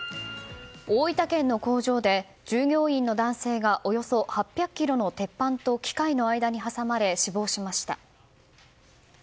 大分県の工場で従業員の男性がおよそ８００ｋｇの鉄板と機械の間に挟まれ死亡しました。